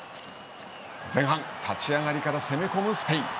前半、立ち上がりから攻め込むスペイン。